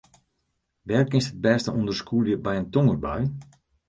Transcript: Wêr kinst it bêste ûnder skûlje by in tongerbui?